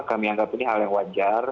kami anggap ini hal yang wajar